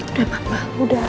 udah pak udah